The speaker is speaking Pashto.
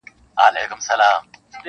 • خدای ورکړی وو شهپر د الوتلو -